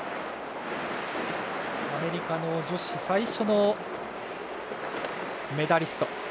アメリカの女子最初のメダリスト。